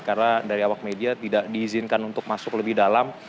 karena dari awak media tidak diizinkan untuk masuk lebih dalam